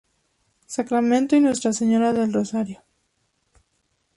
Sacramento y Nuestra Señora del Rosario.